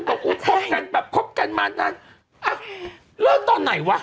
บอกโอ้พบกันแบบพบกันมานานอะเลิกตอนไหนวะ